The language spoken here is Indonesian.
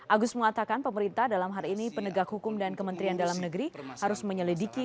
agus mengatakan pemerintah dalam hari ini penegak hukum dan kementerian dalam negeri harus menyelidiki